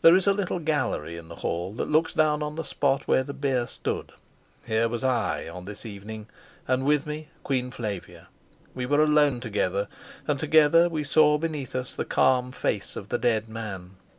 There is a little gallery in the hall, that looks down on the spot where the bier stood; here was I on this evening, and with me Queen Flavia. We were alone together, and together we saw beneath us the calm face of the dead man.